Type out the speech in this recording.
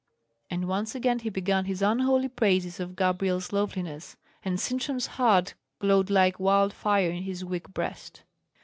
And once again he began his unholy praises of Gabrielle's loveliness, and Sintram's heart glowed like wild fire in his weak breast.